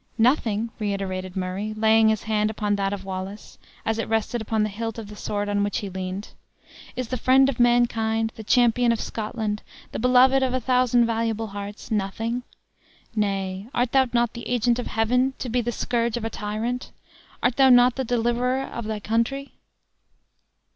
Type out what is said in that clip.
"Nothing!" reiterated Murray, laying his hand upon that of Wallace, as it rested upon the hilt of the sword on which he leaned. "Is the friend of mankind, the champion of Scotland, the beloved of a thousand valuable hearts, nothing? Nay, art thou not the agent of Heaven, to be the scourge of a tyrant? Art thou not the deliverer of thy country?"